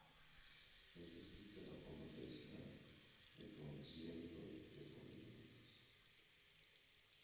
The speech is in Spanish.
Está escrito en la forma tradicional de concierto de tres movimientos.